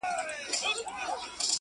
که په اوړي په سفر به څوک وتله -